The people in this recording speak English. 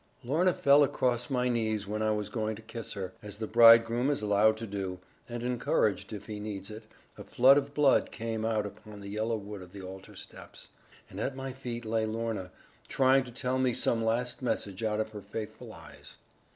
Lorna fell across my knees when I was going to kiss her, as the bridegroom is allowed to do, and encouraged, if he needs it: a flood of blood came out upon the yellow wood of the altar steps; and at my feet lay Lorna, trying to tell me some last message out of her faithful eyes.